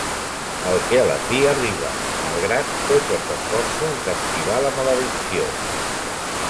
El que a la fi arriba, malgrat tots els esforços d'esquivar la maledicció.